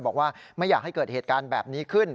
บอกว่าไม่อยากให้เกิดเหตุการณ์แบบนี้ขึ้น